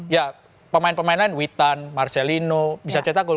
ya pemain pemain lain witan marcelino bisa cetak gol